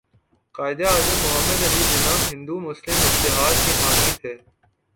قائداعظم محمد علی جناح ہندو مسلم اتحاد کے حامی تھے